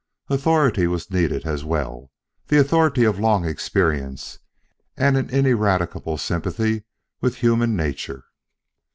Authority was needed as well the authority of long experience and an ineradicable sympathy with human nature.